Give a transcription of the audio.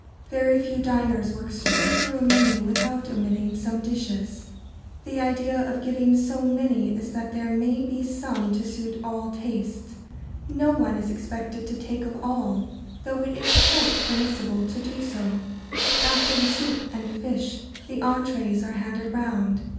Very few diners work straight through a menu without omitting some dishes. [Sidenote: Omitting dishes.] The idea of giving so many is that there may be some to suit all tastes. No one is expected to take of all, though it is quite permissible to do so. [Sidenote: Entrées.] After the soup and fish the entrées are handed round.